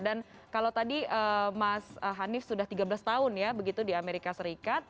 dan kalau tadi mas hanif sudah tiga belas tahun ya begitu di amerika serikat